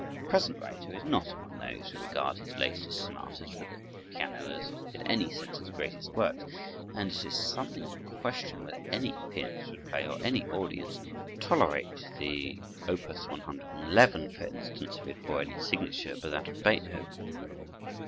The present writer is not among those who regard his latest sonatas for the piano as in any sense his greatest works, and it is something of a question whether any pianist would play or any audience tolerate the Op. 111, for instance, if it bore any signature but that of Beethoven.